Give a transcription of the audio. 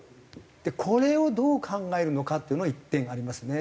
でこれをどう考えるのかっていうのは一点ありますね。